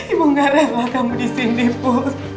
ibu gak rela kamu disini bu